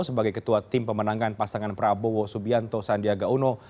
sebagai ketua tim pemenangan pasangan prabowo subianto sandiaga uno